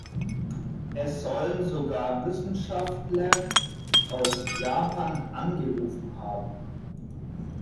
Es sollen sogar Wissenschaftler aus Japan angerufen haben.